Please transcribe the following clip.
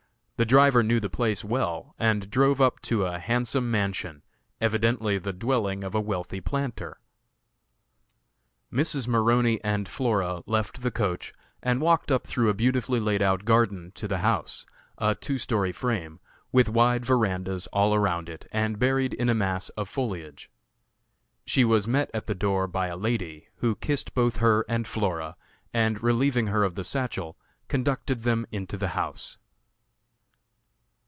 The driver knew the place well, and drove up to a handsome mansion, evidently the dwelling of a wealthy planter. Mrs. Maroney and Flora left the coach and walked up through a beautifully laid out garden to the house, a two story frame, with wide verandahs all around it, and buried in a mass of foliage. She was met at the door by a lady, who kissed both her and Flora, and, relieving her of the satchel, conducted them into the house.